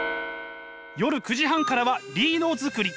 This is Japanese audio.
夜９時半からはリード作り。